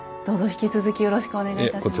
どうぞ引き続きよろしくお願いいたします。